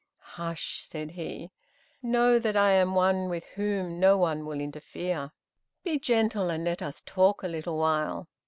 "Hush," said he; "know that I am one with whom no one will interfere; be gentle, and let us talk a little while."